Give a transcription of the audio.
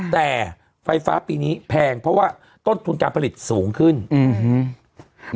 แต่ไฟฟ้าปีนี้แพงเพราะว่าต้นทุนการผลิตสูงขึ้นอืม